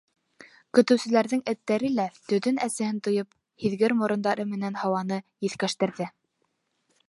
Көтөүселәрҙең эттәре лә, төтөн әсеһен тойоп, һиҙгер морондары менән һауаны еҫкәштерҙе.